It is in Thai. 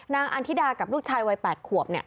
นางอันธิดากับลูกชายวัย๘ขวบเนี่ย